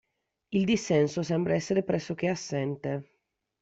Il dissenso sembra essere pressoché assente.